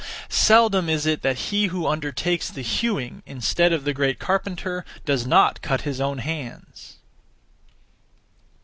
Seldom is it that he who undertakes the hewing, instead of the great carpenter, does not cut his own hands!